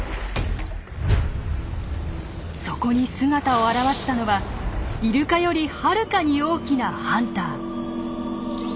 そこに姿を現したのはイルカよりはるかに大きなハンター。